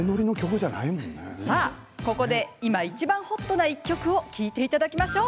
さあここで、今いちばんホットな１曲を聴いていただきましょう。